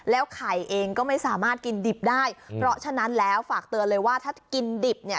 ไข่เองก็ไม่สามารถกินดิบได้เพราะฉะนั้นแล้วฝากเตือนเลยว่าถ้ากินดิบเนี่ย